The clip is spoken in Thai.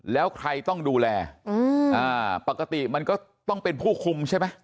แล้วใครต้องดูแลปกติมันก็ต้องเป็นผู้คุมใช่ไหม